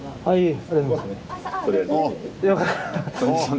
はい。